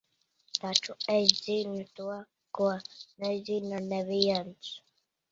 Taču es zinu to, ko nezina neviens.